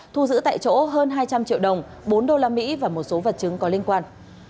thu giữ tại chỗ hơn hai trăm linh triệu đồng bốn đô la mỹ và một số vật chứng có liên quan